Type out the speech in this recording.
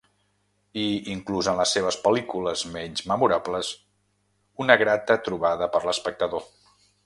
I inclús en les seves pel·lícules menys memorables, una grata trobada per l'espectador.